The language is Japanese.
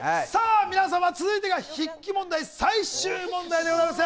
皆様、続いてが筆記問題最終問題となります。